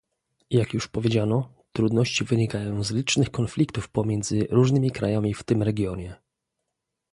Jak już powiedziano, trudności wynikają z licznych konfliktów pomiędzy różnymi krajami w tym regionie